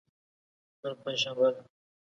نن پنج شنبه ده.